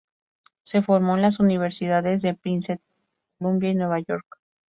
Se formó en las universidades de Princeton, Columbia y Nueva York.